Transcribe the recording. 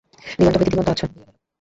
দিগন্ত হইতে দিগন্ত আচ্ছন্ন হইয়া গেল।